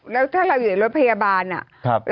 แล้วถ้าเราอยู่ในรถพยาบาลอ่ะ